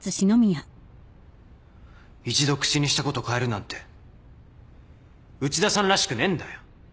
一度口にしたこと変えるなんて内田さんらしくねえんだよ。